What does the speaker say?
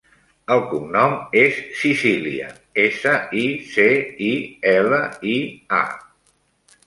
El cognom és Sicilia: essa, i, ce, i, ela, i, a.